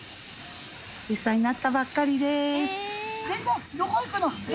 １歳になったばっかりです。